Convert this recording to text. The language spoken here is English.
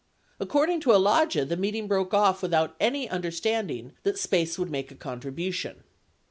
According to Alagia, the meeting broke off without any understanding that SPACE would make a contribution.